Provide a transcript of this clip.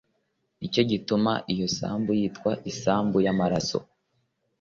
ni cyo gituma iyo sambu yitwa isambu y amaraso